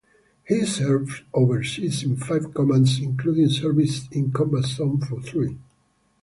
He served overseas in five commands including service in combat zones for three.